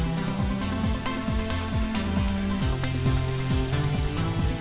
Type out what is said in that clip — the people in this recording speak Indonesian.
makanan yang sehat